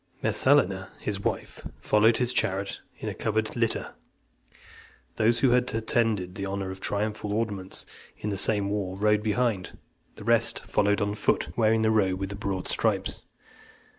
Messalina, his wife, followed his chariot in a covered litter . Those who had attained the honour of triumphal ornaments in the same war, rode behind; the rest followed on foot, wearing the robe with the broad stripes.